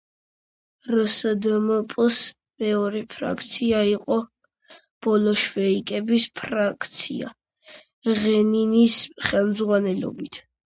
რსდმპ-ს მეორე ფრაქცია იყო ბოლშევიკების ფრაქცია, ლენინის ხელმძღვანელობით.